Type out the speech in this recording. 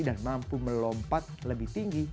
dan mampu melompat lebih tinggi